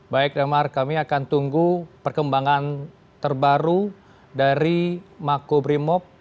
baik damar kami akan tunggu perkembangan terbaru dari makobrimob